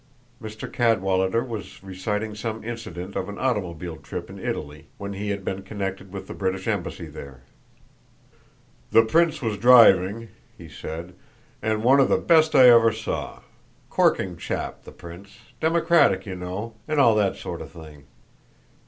Mr. Cadwallader was reciting some incident of an automobile trip in Italy when he had been connected with the British embassy there. "The prince was driving," he said, "and one of the best I ever saw. Corking chap, the prince; democratic, you know, and all that sort of thing.